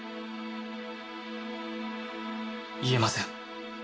言えません。